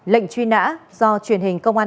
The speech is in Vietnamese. lệnh truy nã do truyền hình công an